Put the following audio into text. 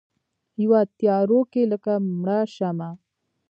یوه تیارو کې لکه مړه شمعه